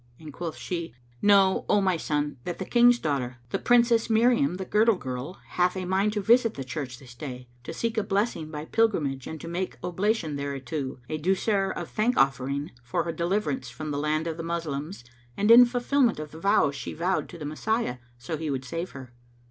and quoth she, "Know, O my son, that the King's daughter, the Princess Miriam the Girdle girl, hath a mind to visit the church this day, to seek a blessing by pilgrimage and to make oblation thereto, a douceur[FN#517] of thank offering for her deliverance from the land of the Moslems and in fulfilment of the vows she vowed to the Messiah, so he would save her.